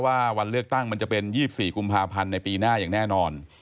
ว่าวันเลือกตั้งมันจะเป็น๒๔กุมภาพันธ์ในปีหน้าอย่างแน่นอน